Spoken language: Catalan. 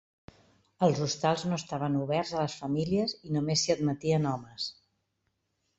Els hostals no estaven oberts a les famílies i només s'hi admetien homes.